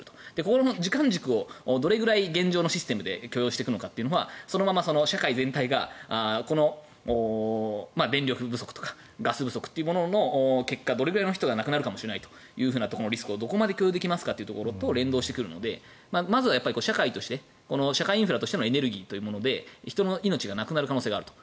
この時間軸をどれくらい現状のシステムで許容していくのかはそのまま社会全体がこの電力不足とかガス不足というものの結果どれぐらいの人が亡くなるかもしれないかというリスクをどこまで許容できるかと連動してくるのでまずは社会として社会インフラとしてのエネルギーというもので人が亡くなる可能性があると。